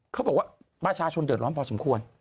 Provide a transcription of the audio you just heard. เขาบอกว่าประชาชนเดือดร้อนพอสมควร